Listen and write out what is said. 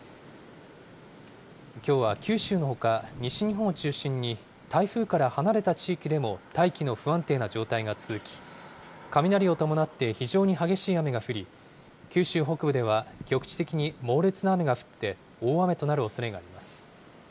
きょうは九州のほか西日本を中心に台風から離れた地域でも大気の不安定な状態が続き、雷を伴って非常に激しい雨が降り、九州北部では局地的に猛烈な雨が降って大雨となるおそれがあります。